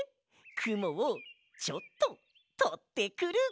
くもをちょっととってくる！